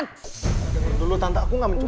denger dulu tante aku gak mencuri